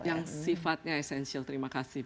yang sifatnya esensial terima kasih